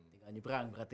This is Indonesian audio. di perang berarti